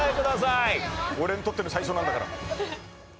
俺にとっての最初なんだから。